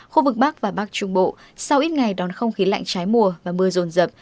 khu vực bắc và bắc trung bộ sau ít ngày đón không khí lạnh trái mùa và mưa rồn rập